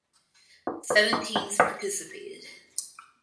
Seven teams participated.